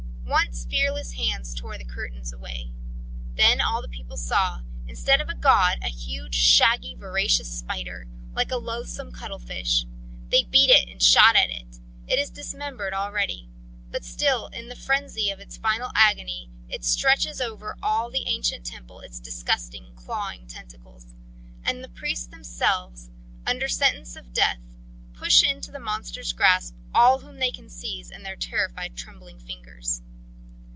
Once fearless hands tore the curtain away. Then all the people saw, instead of a god, a huge, shaggy, voracious spider, like a loathsome cuttlefish. They beat it and shoot at it: it is dismembered already; but still in the frenzy of its final agony it stretches over all the ancient temple its disgusting, clawing tentacles. And the priests, themselves under sentence of death, push into the monster's grasp all whom they can seize in their terrified, trembling fingers.